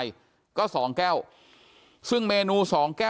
อยู่ดีมาตายแบบเปลือยคาห้องน้ำได้ยังไง